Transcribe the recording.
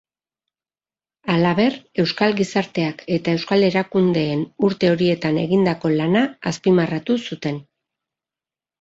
Halaber, euskal gizarteak eta euskal erakundeen urte horietan egindako lana azpimarratu zuten.